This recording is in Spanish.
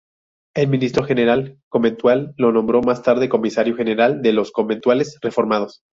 El ministro general conventual lo nombró más tarde comisario general de los conventuales reformados.